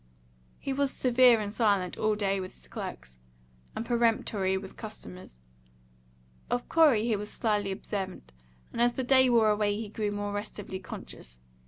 He was severe and silent all day with his clerks, and peremptory with customers. Of Corey he was slyly observant, and as the day wore away he grew more restively conscious.